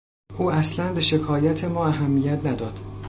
او اصلا به شکایت ما اهمیت نداد.